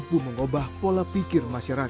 dia bisa mengubah pola pikir masyarakat